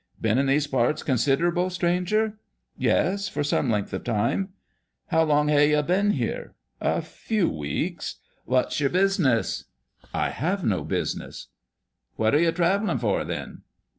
'Been in these parts consid'able, stranger?" ' Yes, for some length of time "' How long have ye bin here ?"' A few weeks." ' What's yer bisuness ?"" I have no business," " What are you travellin' for, then?"